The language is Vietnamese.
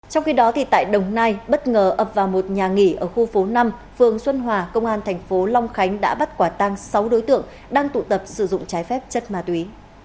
trong khi đó tại đồng nai bất ngờ ập vào một nhà nghỉ ở khu phố năm phường xuân hòa công an thành phố long khánh đã bắt quả tang sáu đối tượng đang tụ tập sử dụng trái phép chất ma túy